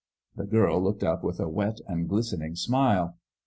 The girl looked up with a wet and glistening smile.